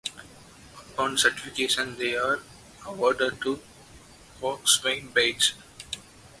Upon certification, they are awarded the Coxswain Badge.